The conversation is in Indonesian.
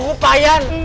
dia kelanjutan kan